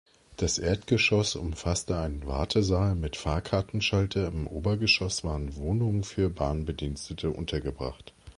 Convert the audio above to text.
Das Erdgeschoss umfasste einen Wartesaal mit Fahrkartenschalter, im Obergeschoss waren Wohnungen für Bahnbedienstete untergebracht.